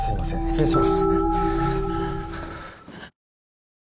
失礼します。